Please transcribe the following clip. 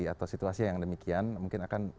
atau situasi yang demikian mungkin akan